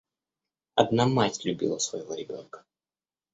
Одна мать любила своего ребенка.